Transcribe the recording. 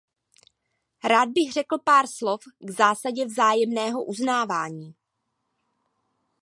Rád bych řekl pár slov k zásadě vzájemného uznávání.